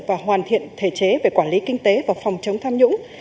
và hoàn thiện thể chế về quản lý kinh tế và phòng chống tham nhũng